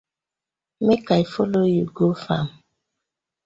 Mek I follo you go fam.